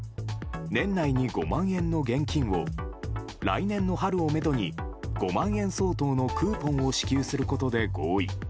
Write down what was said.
年内に５万円の現金を来年の春をめどに５万円相当のクーポンを支給することで合意。